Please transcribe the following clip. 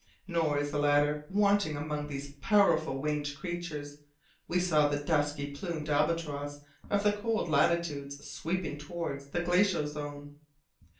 Nor is the latter wanting among these powerful winged creatures; we saw the dusky plumed albatross of the cold latitudes, sweeping towards the glacial zone.